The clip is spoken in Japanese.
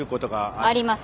あります。